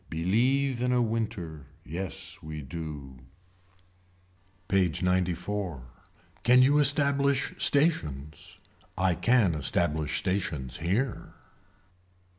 Believe in a winter. Yes we do. PAGE XCIV. Can you establish stations. I can establish stations here.